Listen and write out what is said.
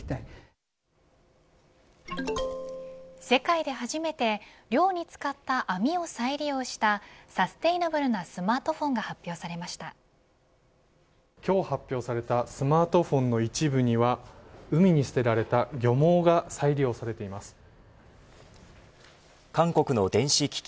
世界で初めて、漁に使った網を再利用したサステイナブルなスマートフォンが今日発表されたスマートフォンの一部には海に捨てられた漁網が再利用されています。